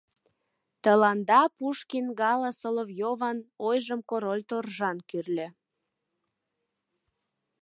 Тыланда Пушкин галаСоловьёван ойжым Король торжан кӱрльӧ.